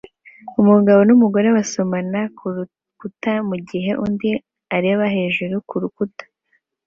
Umugabo n'umugore basomana kurukuta mugihe undi areba hejuru kurukuta